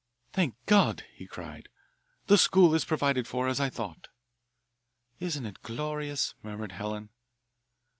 "Thank God," he cried; "the school is provided for as I thought." "Isn't it glorious!" murmured Helen.